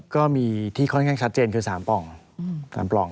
ก็มีที่ค่อนข้างชัดเจนคือ๓ปล่อง๓ปล่อง